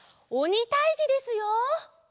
おにたいじですよ。